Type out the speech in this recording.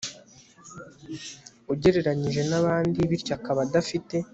ugereranyije n abandi bityo akaba adafite